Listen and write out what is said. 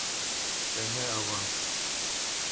Te neavand.